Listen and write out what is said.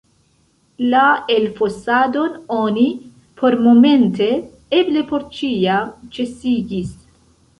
La elfosadon oni pormomente, eble por ĉiam, ĉesigis.